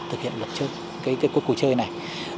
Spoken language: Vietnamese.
thực hiện cuộc cuộc chơi này